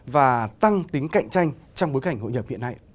và tăng tính cạnh tranh trong bối cảnh hội nhập hiện nay